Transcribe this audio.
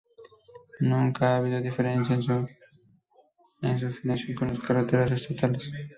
Nunca ha habido diferencia en su financiación con las carreteras estatales.